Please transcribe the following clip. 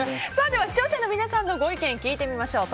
では、視聴者の皆さんのご意見を聞いてみましょう。